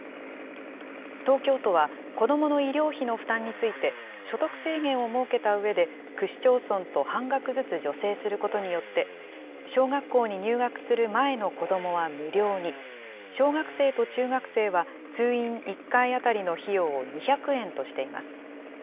東京都は子どもの医療費の負担について、所得制限を設けたうえで、区市町村と半額ずつ助成することによって、小学校に入学する前の子どもは無料に、小学生と中学生は通院１回当たりの費用を２００円としています。